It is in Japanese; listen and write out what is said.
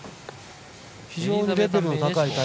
非常にレベルの高い大会。